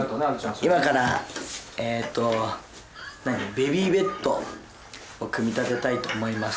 今からえっとベビーベッドを組み立てたいと思います。